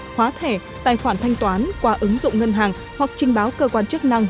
hóa thẻ tài khoản thanh toán qua ứng dụng ngân hàng hoặc trình báo cơ quan chức năng